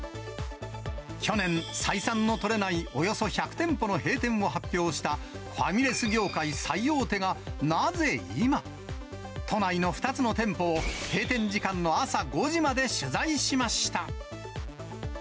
去年、採算の取れないおよそ１００店舗の閉店を発表したファミレス業界最大手が、なぜ今、都内の２つの店舗を、閉店時間の朝５時まで取材しました。